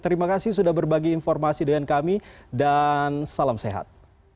terima kasih sudah berbagi informasi dengan kami dan salam sehat